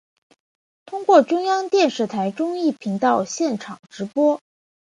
通过中央电视台综艺频道现场直播。